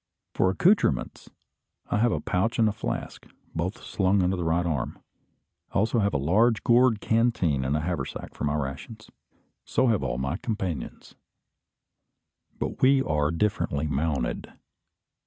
For accoutrements I have a pouch and a flask, both slung under the right arm. I have also a large gourd canteen and haversack for my rations. So have all my companions. But we are differently mounted.